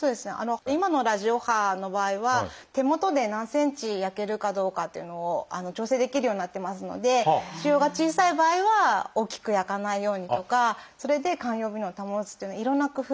今のラジオ波の場合は手元で何ｃｍ焼けるかどうかっていうのを調整できるようになっていますので腫瘍が小さい場合は大きく焼かないようにとかそれで肝予備能を保つっていういろんな工夫を。